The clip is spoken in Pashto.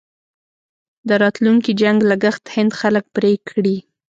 د راتلونکي جنګ لګښت هند خلک پرې کړي.